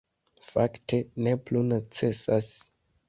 Fakte, ne plu necesas.